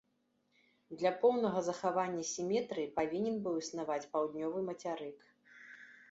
Для поўнага захавання сіметрыі павінен быў існаваць паўднёвы мацярык.